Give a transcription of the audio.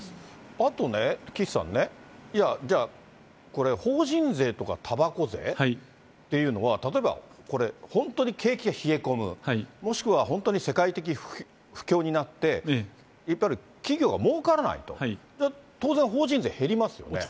あとね、岸さんね、いや、じゃあこれ、法人税とかたばこ税っていうのは、例えば、これ、本当に景気が冷え込む、もしくは本当に世界的不況になって、いわゆる企業がもうからないと、当然、法人税減りますよね。